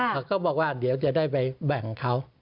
เขาก็บอกว่าเดี๋ยวจะได้ไปแบ่งเขา